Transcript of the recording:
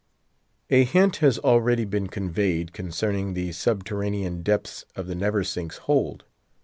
A hint has already been conveyed concerning the subterranean depths of the Neversink's hold.